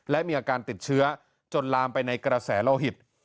และมีอาการติดเชื้อจนลามไปในกระแสโลหิต